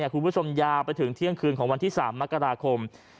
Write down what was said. คุณผู้ชมยาวไปถึงเที่ยงคืนของวันที่๓มกราคม